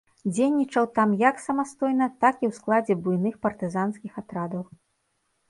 Дзейнічаў там як самастойна, так і ў складзе буйных партызанскіх атрадаў.